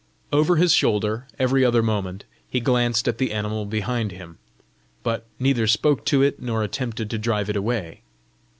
Over his shoulder, every other moment, he glanced at the animal behind him, but neither spoke to it, nor attempted to drive it away.